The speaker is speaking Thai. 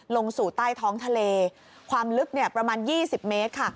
ลงสู่ใต้ท้องทะเลความลึกประมาณ๒๐เมตรค่ะ